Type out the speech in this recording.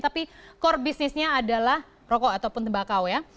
tapi core business nya adalah rokok ataupun tembakau ya